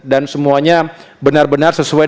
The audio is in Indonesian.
dan semuanya benar benar sesuai